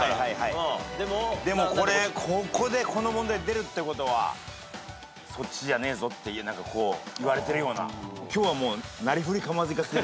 でもここでこの問題出るってことはそっちじゃねえぞって言われてるような。